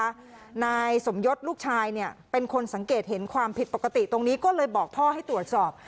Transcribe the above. นายสมยศลูกชายเนี่ยเป็นคนสังเกตเห็นความผิดปกติตรงนี้ก็เลยบอกพ่อให้ตรวจสอบ